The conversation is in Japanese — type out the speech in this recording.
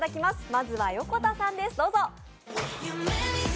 まずは横田さんです、どうぞ！